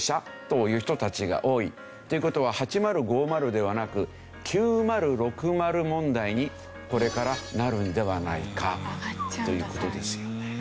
という事は８０５０ではなく９０６０問題にこれからなるんではないかという事ですよね。